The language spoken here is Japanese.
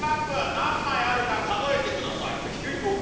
何枚あるか数えてください！